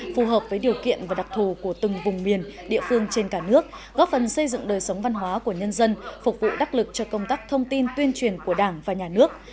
phù hợp với điều kiện và đặc thù của từng vùng miền địa phương trên cả nước góp phần xây dựng đời sống văn hóa của nhân dân phục vụ đắc lực cho công tác thông tin tuyên truyền của đảng và nhà nước